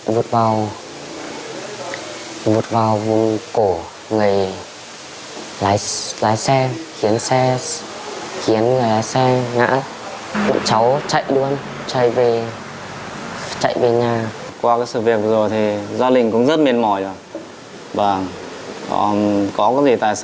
qua sự việc vừa rồi thì gia đình cũng rất mệt mỏi rồi